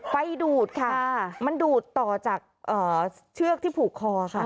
ไปดูดค่ะมันดูดต่อจากเชือกที่ผูกคอค่ะ